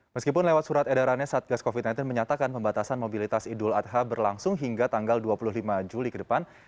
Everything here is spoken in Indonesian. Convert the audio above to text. meskipun lewat surat edarannya satgas covid sembilan belas menyatakan pembatasan mobilitas idul adha berlangsung hingga tanggal dua puluh lima juli ke depan